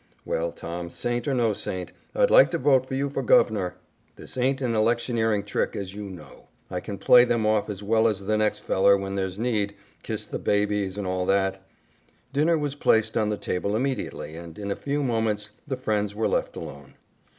"Well, Tom, saint or no saint, I'd like to vote for you for gov'nor." "This aint an electioneering trick, as you know. I can play them off as well as the next feller when there's need, kiss the babies and all that." Dinner was placed on the table immediately, and in a few moments the friends were left alone.